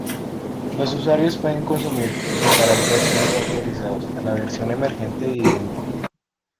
Los usuarios pueden consumir y comparar versiones "autorizados" a la versión emergente "viviente".